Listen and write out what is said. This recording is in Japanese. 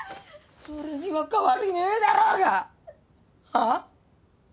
それには変わりねえだろうがあっ？